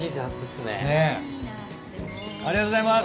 ありがとうございます！